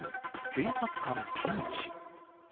警察官ピンチ。